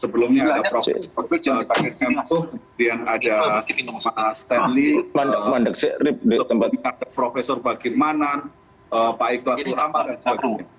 sebelumnya ada prof pak edkampo kemudian ada pak stanley prof bagi manan pak ikhlasulama dan sebagainya